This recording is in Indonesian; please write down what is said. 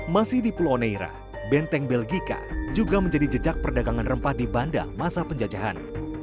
masih di pulau neira benteng belgika juga menjadi jejak perdagangan rempah di banda masa penjajahan